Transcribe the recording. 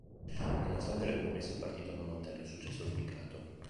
Nonostante le premesse, il partito non ottenne il successo auspicato.